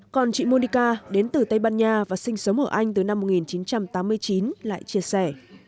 còn chị monica đến từ tây ban nha và sinh sống ở anh từ năm một nghìn chín trăm tám mươi chín lại chia sẻ